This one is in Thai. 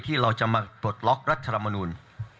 ที่เราจะมาตลกรัฐธรรมนูญ